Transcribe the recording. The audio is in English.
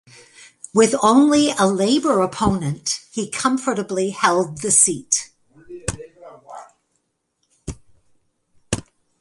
With only a Labour opponent he comfortably held the seat.